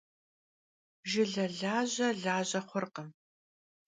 Jjıle laje laje xhurkhım.